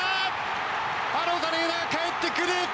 アロザレーナがかえってくる！